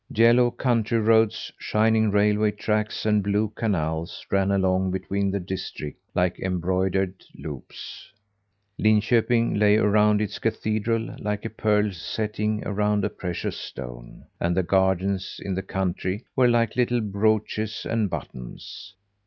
Yellow country roads, shining railway tracks and blue canals ran along between the districts like embroidered loops. Linköping lay around its cathedral like a pearl setting around a precious stone; and the gardens in the country were like little brooches and buttons.